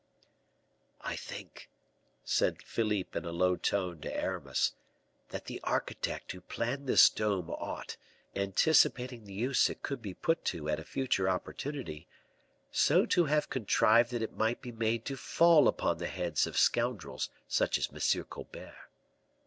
"I think," said Philippe in a low tone to Aramis, "that the architect who planned this dome ought, anticipating the use it could be put to at a future opportunity, so to have contrived that it might be made to fall upon the heads of scoundrels such as M. Colbert."